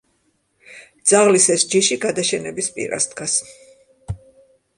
ძაღლის ეს ჯიში გადაშენების პირას დგას.